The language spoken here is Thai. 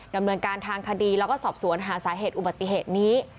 ดำเนินการทางคดีแล้วก็สอบสวนหาสาเหตุอุบัติเหตุนี้